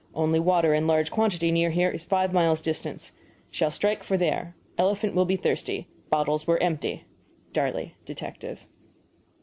Only water in large quantity near here is five miles distant. Shall strike for there. Elephant will be thirsty. Bottles were empty. BAKER, Detective.